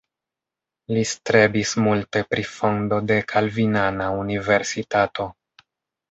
Li strebis multe pri fondo de kalvinana universitato.